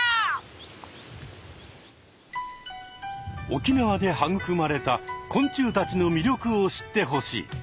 沖縄で育まれた昆虫たちのみりょくを知ってほしい！